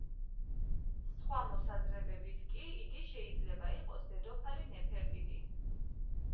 სხვა მოსაზრებებით კი იგი შეიძლება იყოს დედოფალი ნეფერტიტი.